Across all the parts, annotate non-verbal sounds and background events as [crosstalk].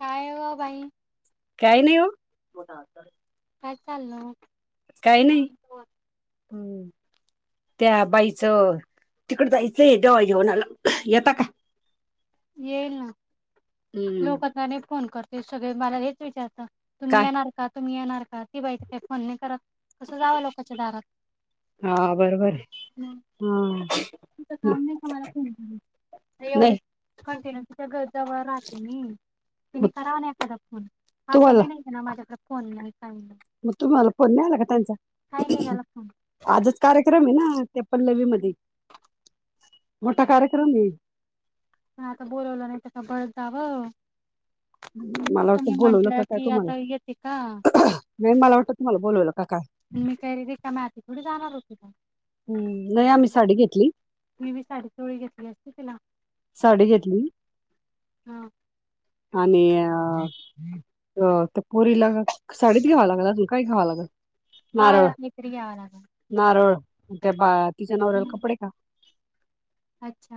काय ग बा चालो हम् त्या बाईचं तिकड जायचंय, घेऊनला येता का? येईल ना लोकतनाने फोन करते सगळे, मला हेच विचारत, तुम्ही येणार का तुम्ही येणार का ती बहिटते म्हण नाही, कररा कसं जावं लोकांच्या दारात, हा बरोबर हा, [unintelligible] एवढी कंटिन्यस तिच्या जवळ राहते, म तिनी कराव ना एखादा फोन, ह नाही ना माझ्याकडे फोन नाही काही नाही, तला काही नाहीला फोन, आजच कार्यक्रम आहे ना ते पल्लवी मध्ये, मोठा कार्यक्रम देई, आता बोलवला नाही त्या का ब, जाव, मी म्हटलं की आता येतेका, [unintelligible] मी काही र रेकामया हाती थोडी जाणार होती का, हम नाही आम्ही साडी घेतली, मी बी साडी सोळी घेतली असते. साडी घेतली, [unintelligible] आणि अ अरीला साडी घेवालाई ठेवा ला नारळ अच्छा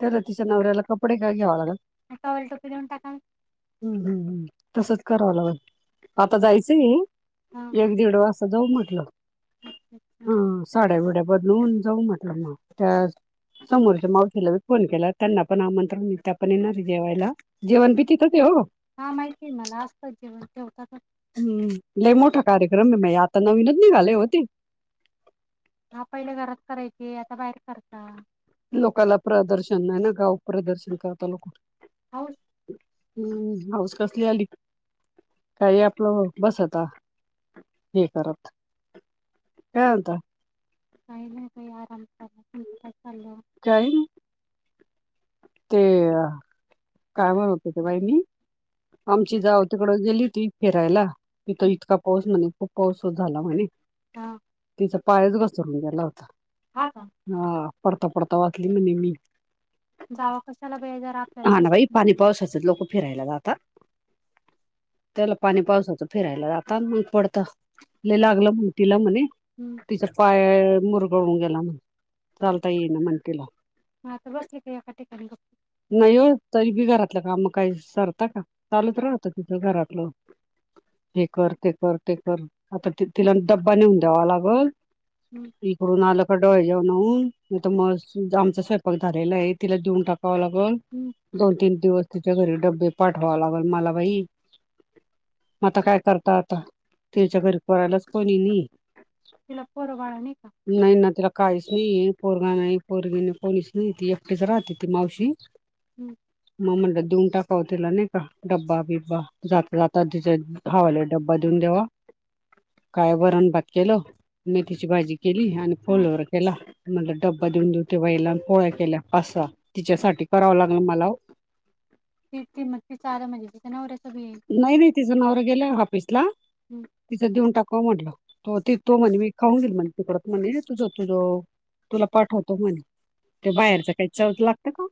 त्याला तिच्या नवऱ्याला कपडे टॉवेल टोपी देऊन टाका आता जायचंय एक दीड वाजता जाऊन म्हटलं हा साड्या वेड्या बदलून जाऊ म्हटलं ना त्या हां फोन केला त्यांना पण आ मी पण येणार जेवायला जेवण बीतीत होते हो हम्म ल मोठा कार्यक्रम आहे मा आता नवीनच निघाले होते हा पहिले घरात करायची आता बाहेर करता लोकाला प्रदर्शन नाही ना गाव प्रदर्शन करता आलो कुठ हम्म हाऊस कसली आली काही आपलं बसता हे करत ह काही नाही काही य चालय ते काय म्हण होते ते बाई मी आमची जाव तकड गेली ती फिरायला तिथ इतका पाऊस म्हणे खूप पाऊस हो झाला म्हणे तिचा पायच कसो म त्याला होता हा पडता पडता वाचली म्हणे मी हा ना बाई पाणी पावसाच लोक फिरायला जातात त्याला पाणी पावसाचं फिरायला जाता मग पडतं लागलं मग तिला म्हणे तिचा पाय मुरगळून गेला म्ह चालता येई ना म्हण तला नाही हो तरी बी घरातलं काम काही सरतं का चालूत राहत त हे कर ते कर ते कर आता तिला डब्बा नेऊन द्यावा लागल इकडून आलंक डोवाळजेवणवून म आमचा स्वयंपाक झालेला आहे देऊन टाका लागेल दोन तीन दिवस तिच्या घरी डबे पाठवायला लागेल मला बाई म आता काय करत आता तिरच्या घरी करायलाच कोणी नि नाही ना त्याला काहीच नाहीये पोरगा नाही पोरगी नाही कोणीच नाही तिला राहते त मावशी मग म्हण देऊन टाकावतेला नाही का डबा जाता जाता तिच्या भावाला डब्बा देऊन देवा काय वरणभात केलं मेथीची भाजी केली आणि फोलवर केला म्हण डबबा ठेवायला पोळ्या केल्या असा तिच्यासाठी करावं लागेल मला तिच्या नवरा नाही नाही तिचा नावर गेला हऑफीसला तिचां देऊन टाकवा म्हटलं त ति तो म्हणे मी खाऊन गेईल म्हणे तिकडत म्हणे तुझ तुझो तुला पाठवतो म्हणे ते बाहेरच काही चवत लागत का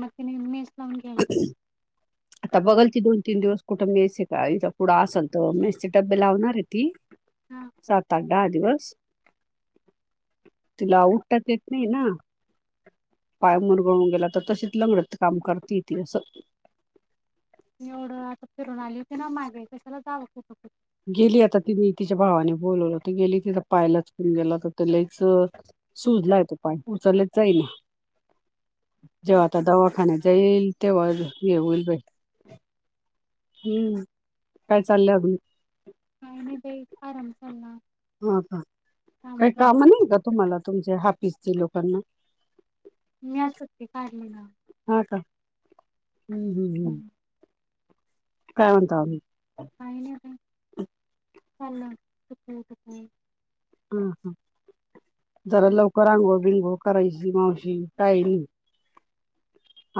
मकीनी मेस लावून घ्यायची आता बघाल ती दोन तीन दिवस कुठं मेस का इथं पुढं असाल तर मेसचे डब्बे लावणार आहे ती सात आठ दहा दिवस तिला आ ऊठता येत नाही ना पाय मुरगळून गेला तर तशीच लंगडत काम करती ती असं एवढं आता फिरून आली होती ना मागे कशाला जावं कुठं कुठ गेली आता तिने तिच्या भावाने बोलवलं ति गेली तिचा पाय लचकून गेला तो लयच सुजलाय तो पाय उचलले जाई ना जेव्हा आता दवाखान्यात जाईल तेव्हा हे होईल बाई हम्म काय करत काही नाही आराम चालला ह का काही काम नाही का तुम्हाला तुमच्या हाफिसचे लोकांना हा का हम्म हम्म हम्म हम हम हम् हम जरा लवकर अंगोळ बिंगोळ करायची मावशी टाइम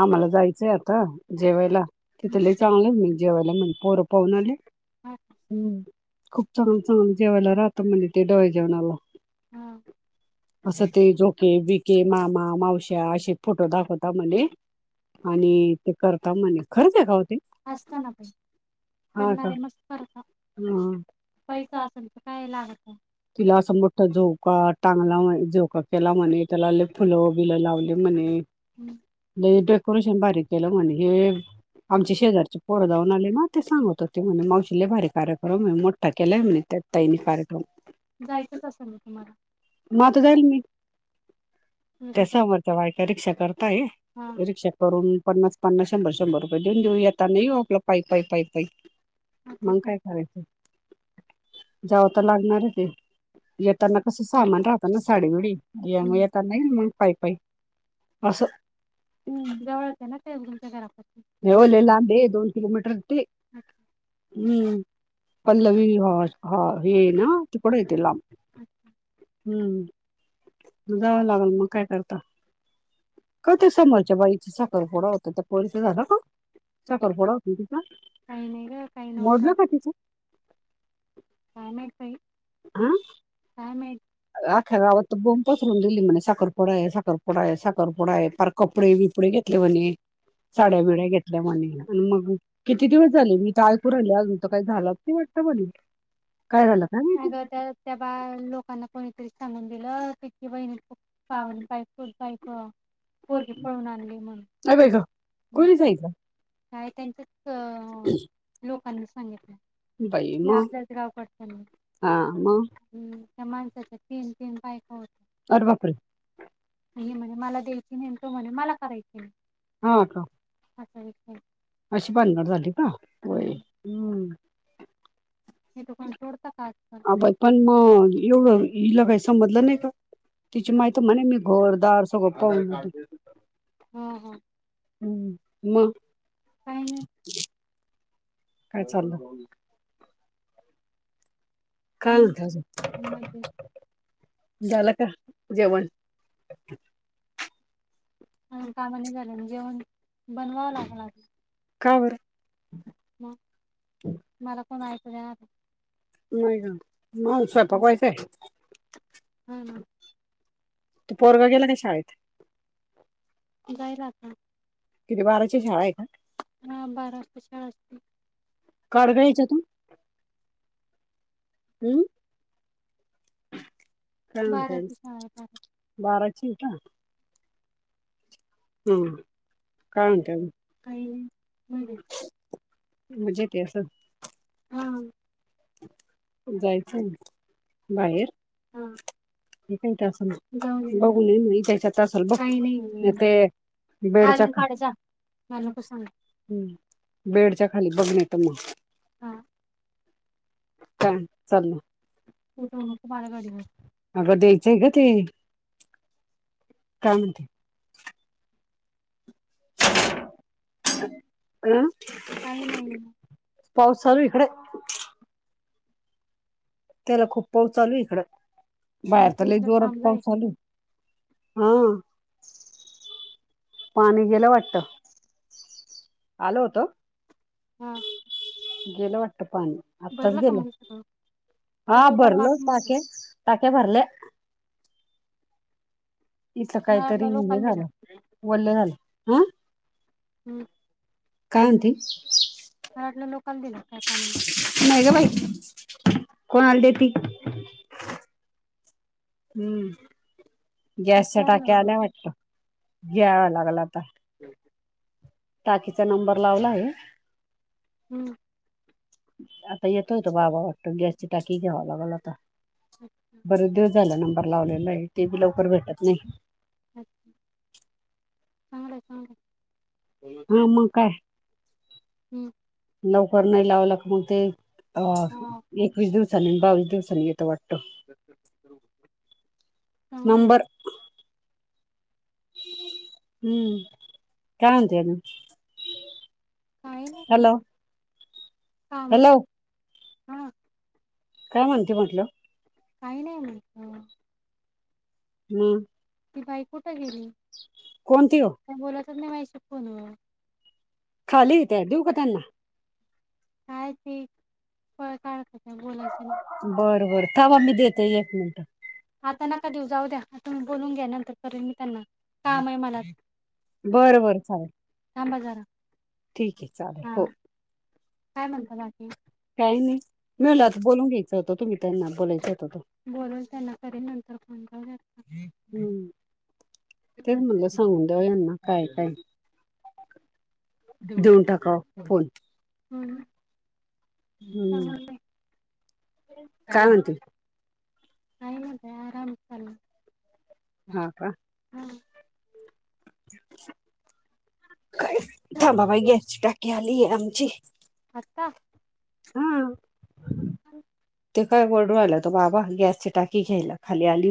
आम्हाला जायचंय आता जेवायला तिथे लई चांगलं मी जेवायला म्हण पोरं पहून आली हम्म खूप चांग चांगलं जेवायला राहत म्हणे तिथे होय जेवणाला असं ते झोके विके मामा मावश्या असे फोटो दाखवता मणे आणि ते करता म्हणे खरंच आहे का हो ते करणारे मस्त करता पैसा असेल तर काय लागत तिला असं मोठ झोका टांगला म्ह झोका केला म्हणे त्याला लय फुलं बिलं लावले म्हणे नाही डेकोरेशन बारीक केलं म्हण हे आमचे शेजारचे पोरं जाऊन आले म ते सांगत होते म्हणे मावशले भारीे कार्यक्रम मोठा केलाय म्हणे ताईने कार्यक्रम जायचंच असेल मी तुम्हाला म तर जाईल मी त्या समरच्या बायका रिक्षा करता येय रिक्षा करून पन्नास पन्नास शंभर शंभर रुपये देऊन देऊ. आता नाही ओपलं पाय पाय पाई पाई मंग. काय करायचं जाऊ तर लागणार आहे ते येताना कस सामान राहत ना साडी विडी या येता नाही मग पाई पाई असं जवळच आहे ना ते तुमच्या घरापासन हम्म पल्लवी हा हा हे ना तिकडं येत. ते लांब हम्म जावं लागल मग काय करता का ते समोरच्या बाईच साखरपुडा होता त्या पोरीचा झाला का? साखरफोडा होती तिचा मोडलं का तिचं. हं. त्या नाही. आख्या गावात तर बोमब पसरून दिली म्हणे साखरपडा आहे साखरपडा आहे साखरपडा आहे फार कपडे. कपडे घेतले म्हणे साड्या बिड्या घेतल्या म्हणे आणि मग. किती दिवस झाले मी तर आयपूर आले अजून तर काही झालं नाही वाटत म्हला काय झालं काय माहिती. त्या बा लोकांना कोणीतरी सांगून दिलं ती बहिणी. [unintelligible] पोरगी पळून आणले म्हणून का त्यां लोकांनी सांगितलं बई म. हा म. त्या माणसाच्या तीन तीन बायका होत्या अर बापरे ह म्हणे मला द्यायची नाही त म्हणे मला करायची नाही. अशी भानगड झाली का होय हम्म हेथ पण सोडता का तिची माहती म्हणे मी घोरदार सगळं पाहून हम् म. काय चाललं. खाल झाला का जेवण अ. अ कामानी झालं जेवण बनवावं लागलं. म मला कोणयचं. नाही का म स्वयंपाक व्हायचं पोरगा गेला का शाळेत. जाईल आता हा बरं. कश अस असत. कर गयच तू. हम्म. का का बाराचीट. हम्म कायत. मज येत असं जायचं. बाहेर. काही असल बघ ना असल बघ ते. हालून पाळचा. ह् बेडच्या खाली बघण्या तर मग. काय चाल ना. अगं द्यायचंय का ते. काय म्हणता हम अं पाऊस चालू इकडे त्याला खूप पाऊस चालू इकड बाहेर तर ल जोरात पाऊस चालू हा पाणी गेलं वाटत आल होत हम गेल वाटत पाणी आत्ताच गेलं हा भरल टाके टाक्या भरले इथ काहीतरी हे झालं वल्ल झालं ह हम् कायती लोकांना दि का कोण आलते ती हम्म गॅसच्या टाक्या आल्या वाटत, घ्याव लागल आता [inaudible] टाकीचा नंबर लावला आहे. हम्म आता येतोयतो बाबा वा गेचे टाकी घेवा लागल आता बरं देव झालं नंबर लावलेला आहे ते बी लवकर भेटत नाही अच्छ चांगळे चांगळे ह म काय हम्म लवकर नाही लावला क मग ते अ एकवीस दिवसांनी बावीस दिवसांनी येत वाटत नंबर हम्म [inaudible] हॅलो का म हा काय म्हणते म्हटलं काही नाही म्हटलं. [inaudible] ती बाई कुठ गेली, काही बोलतच नाही मायाशी फोन व खाली हे त्या देऊ का त्यांना? काय ती पळ काढते. बर बर थांमा मी देते एक मिनट. आता नका देऊ जाऊ द्या, तुम्ही बोलून घ्या नंतर करेन मी त्यांना काम आहे मला, बर थांबा जरा ठीक हे चालेल हो काय म्हणता बाकी? काही नाही मी म्हणलं आता बोलून घ्यायचं होतं, तुम्ही त्यांना बोलायच होत त बोलल त्यांना कधी नंतर कोण हूं तेच म्हणलं सांगून द्यावा यांना काय हे काय नही. देऊन टाका फोन हूं काय म्हणते? काही नाही काय आराम चालला हा! [inaudible] काय, थांबाबाई गॅसची ची टाकी आलीय आमची. [inaudible] हा! ते काय वर्डू राहिला तो बाबा, गॅसची टाकी घ्यायला खाली आली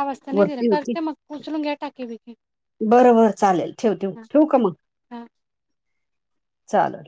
आवाज त नाही दिला, करते मग उचलून घ्या टाकीे बिकी बरं बरं, चालेल ठेव, ठेव, ठेवू का मग? चालल.